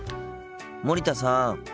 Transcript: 森田さん。